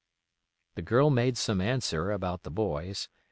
The girl made some answer about the boys.